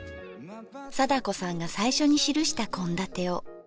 貞子さんが最初に記した献立を。